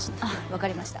わかりました。